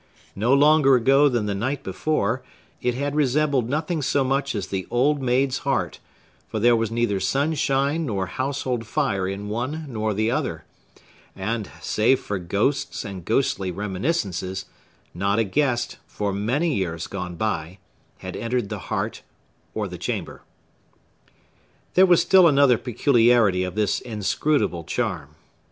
No longer ago than the night before, it had resembled nothing so much as the old maid's heart; for there was neither sunshine nor household fire in one nor the other, and, save for ghosts and ghostly reminiscences, not a guest, for many years gone by, had entered the heart or the chamber. There was still another peculiarity of this inscrutable charm.